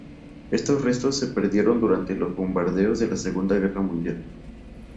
Estos restos se perdieron durante los bombardeos de la Segunda Guerra Mundial.